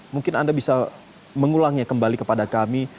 mungkin anda bisa mengulangnya kembali kepada kami